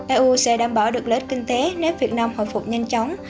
eu sẽ đảm bảo được lợi ích kinh tế nếu việt nam hồi phục nhanh chóng